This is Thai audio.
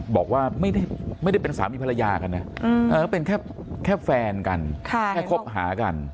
บอกว่าไม่ได้เป็นสามีภรรยากันนะเป็นแค่แฟนกันแค่คบหากัน